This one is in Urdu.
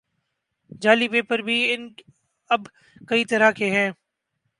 جعلی پیر بھی اب کئی طرح کے ہیں۔